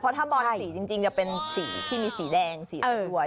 เพราะถ้าบอลสีจริงจะเป็นสีที่มีสีแดงสีสวย